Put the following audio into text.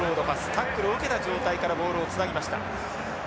タックルを受けた状態からボールをつなぎました。